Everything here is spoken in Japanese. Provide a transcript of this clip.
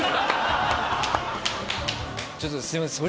ちょっとすいません。